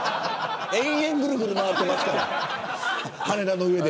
永遠にぐるぐる回ってますから。